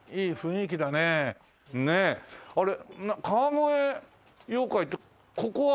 あれ川越妖怪ってここは本屋さん？